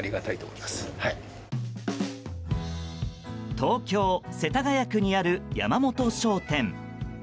東京・世田谷区にある山本商店。